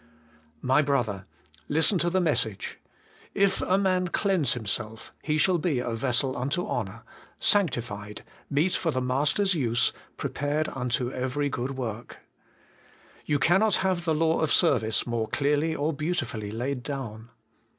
My brother ! listen to the message. ' If a man cleanse himself, he shall be a vessel unto honour, sanctified, meet for the Master's use, prepared unto every good work/ You cannot have the law of service more clearly or beautifully laid down.